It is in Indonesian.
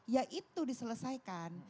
ya itu diselesaikan